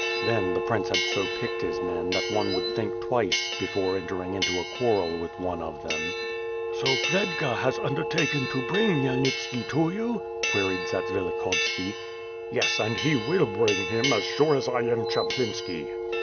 Then the Prince had so picked his men that one would think twice before entering into a quarrel with one of them. "So Khvedka has undertaken to bring Khmyelnitski to you?'' queried Zatsvilikhovski. "Yes, and he will bring him, as sure as I am Chaplinski.